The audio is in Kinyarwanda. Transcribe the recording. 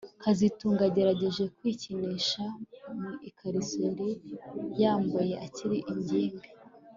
kazitunga yagerageje kwikinisha mu ikariso yari yambaye akiri ingimbi